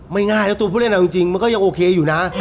ไม่ง่ายถ้าตัวประตูเล่นอะไรจริงมันก็ยังโอเคอยู่นะ